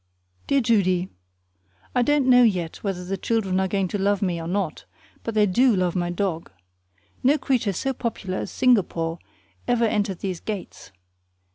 Dear Judy: I don't know yet whether the children are going to love me or not, but they DO love my dog. No creature so popular as Singapore ever entered these gates.